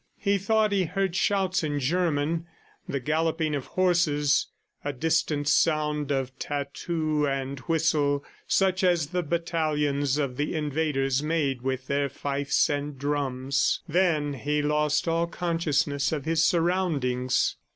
He thought he heard shouts in German, the galloping of horses, a distant sound of tattoo and whistle such as the battalions of the invaders made with their fifes and drums. ... Then he lost all consciousness of his surroundings.